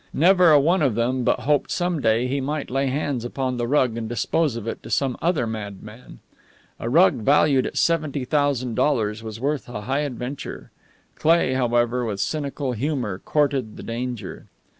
Never a one of them but hoped some day he might lay hands upon the rug and dispose of it to some other madman. A rug valued at seventy thousand dollars was worth a high adventure. Cleigh, however, with cynical humour courted the danger.